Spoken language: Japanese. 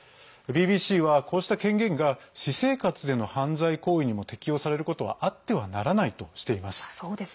ＢＢＣはこうした権限が私生活での犯罪行為にも適用されることはあってはならないとしています。